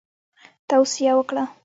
توصیه وکړه.